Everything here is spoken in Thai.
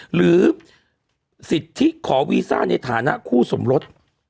หรือสิทธิขอวีซ่าในฐานะคู่สมรส